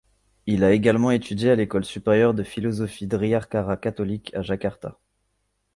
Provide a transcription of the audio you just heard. Il a également étudié à l'École supérieure de philosophie Driyarkara catholique à Jakarta.